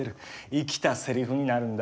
生きたセリフになるんだ。